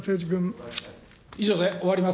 以上で終わります。